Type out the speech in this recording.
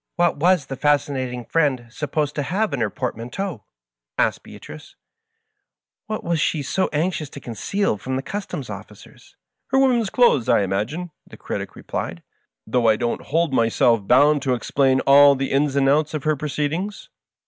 " What was the Fascinating Friend supposed to have in her port manteau ?" asked Beatrice, " What was she so anxious to conceal from the custom house officers?" "Her woman's clothes, I im agine," the Critic replied, " though I don't hold myself bound to explain all the ins and outs of her proceedings."